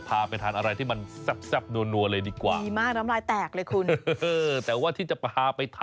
พาไปทานอะไรที่มันแซ่บนัวเลยดีกว่าดีมากน้ำลายแตกเลยคุณแต่ว่าที่จะพาไปทาน